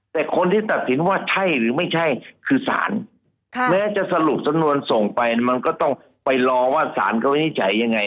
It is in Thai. แต่คนที่ตัดสินว่าใช่หรือไม่ใช่คือสารแม้จะสรุปสำนวนส่งไปมันก็ต้องไปรอว่าสารเขาวินิจฉัยยังไง